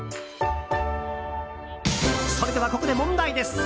それではここで問題です！